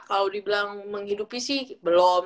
kalau dibilang menghidupi sih belum